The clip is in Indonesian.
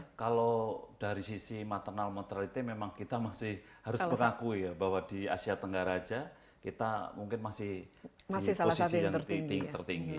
ya kalau dari sisi maternal mortality memang kita masih harus mengakui ya bahwa di asia tenggara saja kita mungkin masih di posisi yang tertinggi